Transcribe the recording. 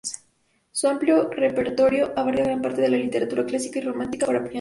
Su amplio repertorio abarca gran parte de la literatura clásica y romántica para piano.